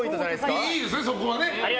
いいですね、そこは。